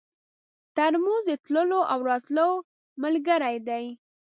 ترموز د تللو او راتلو ملګری دی.